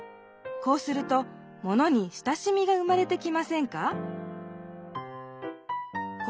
こうするとものに親しみが生まれてきませんか？